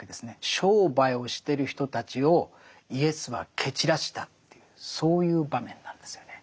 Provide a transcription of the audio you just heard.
商売をしてる人たちをイエスは蹴散らしたというそういう場面なんですよね。